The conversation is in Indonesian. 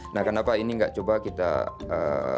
nah kenapa ini nggak coba kita ee